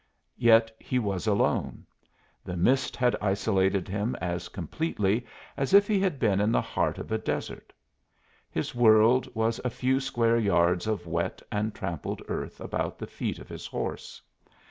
Yet he was alone. The mist had isolated him as completely as if he had been in the heart of a desert. His world was a few square yards of wet and trampled earth about the feet of his horse.